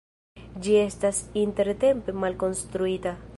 Ĝi estas intertempe malkonstruita.